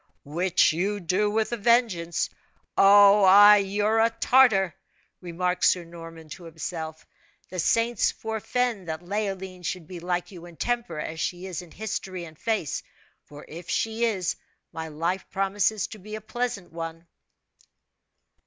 "Which you do with a vengeance! Oh! you're a Tartar!" remarked Sir Norman to himself. "The saints forefend that Leoline should be like you in temper, as she is in history and face; for if she is, my life promises to be a pleasant one."